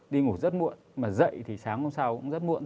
đi ngủ rất muộn mà dậy thì sáng hôm sau cũng rất muộn